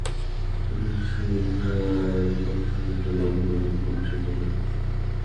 সুধীর কথাটাকে একটু নরম করিবার জন্য কহিল, ঠিক সেজন্যে নয়।